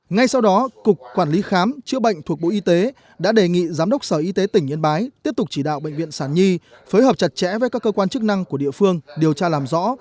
ngay sau đó cục quản lý khám chữa bệnh thuộc bộ y tế đã đề nghị giám đốc sở y tế tỉnh yên bái tiếp tục chỉ đạo bệnh viện sản nhi phối hợp chặt chẽ với các cơ quan chức năng của địa phương điều tra làm rõ